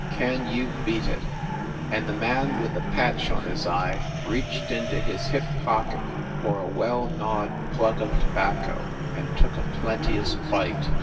Can you beat it ? And the man with the patch on his eye reached into his hip pocket for a well gnawed plug of to bacco and took a plenteous bite.